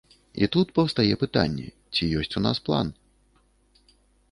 І тут паўстае пытанне, ці ёсць у нас план?